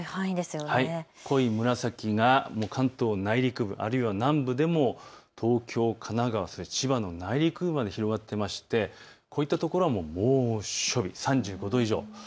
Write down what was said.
濃い紫が関東内陸部、あるいは南部でも、東京、神奈川、千葉の内陸部まで広がっていてこういった所は猛暑日、３５度以上です。